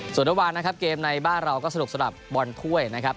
สวัสดีครับครับเกมในบ้านเราก็สนุกสนับบอลถ้วยนะครับ